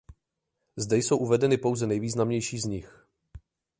Zde jsou uvedeny pouze nejvýznamnější z nich.